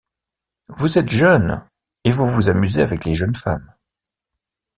Vous êtes jeunes et vous vous amusez avec les jeunes femmes.